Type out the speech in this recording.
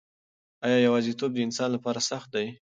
آیا یوازیتوب د انسان لپاره سخت دی؟